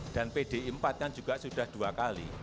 dan pdi empat kan juga sudah dua kali